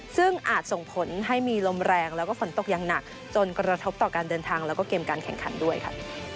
ซึ่งอาจส่งผลให้มีลมแรงแล้วก็ฝนตกอย่างหนักจนกระทบต่อการเดินทางแล้วก็เกมการแข่งขันด้วยค่ะ